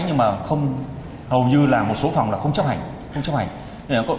nhưng mà hầu như là một số phòng là không chấp hành